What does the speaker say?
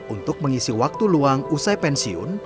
untuk mengisi waktu luang usai pensiun